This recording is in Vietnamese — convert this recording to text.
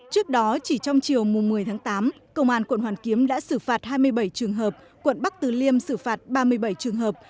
trong chiều mùa một mươi tháng tám công an quận hoàn kiếm đã xử phạt hai mươi bảy trường hợp quận bắc từ liêm xử phạt ba mươi bảy trường hợp